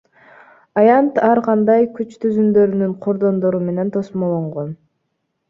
Аянт ар кандай күч түзүмдөрүнүн кордондору менен тосмолонгон.